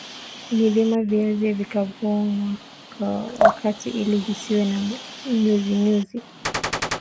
Ni vyema viazi vikavunwa ka wakati ili visiwe na nyuzinyuzi